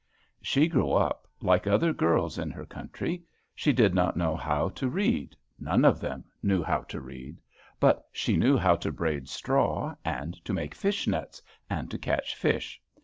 She grew up like other girls in her country. She did not know how to read. None of them knew how to read. But she knew how to braid straw, and to make fish nets and to catch fish.